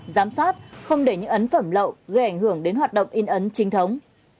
giám sát không để những ấn phẩm lậu gây ảnh hưởng đến hoạt động in ấn chính thống